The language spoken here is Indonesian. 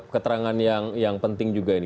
keterangan yang penting juga ini